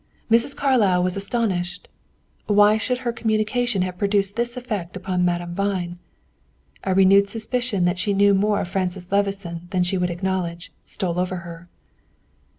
Mrs. Carlyle was astonished. Why should her communication have produced this effect upon Madame Vine? A renewed suspicion that she knew more of Francis Levison than she would acknowledge, stole over her.